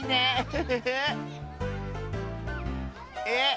え？